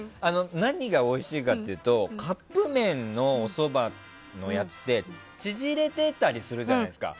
何がおいしいかっていうとカップ麺のおそばのやつって縮れてたりするじゃないですか。